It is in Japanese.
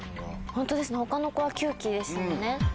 ホントですね他の子は９基でしたもんね。